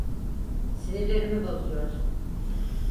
Sinirlerimi bozuyorsun.